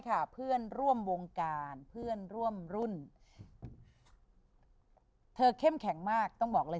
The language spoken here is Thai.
เธอเข้มแข็งมากต้องบอกเลย